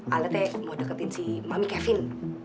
alda mau dekatkan mami kevin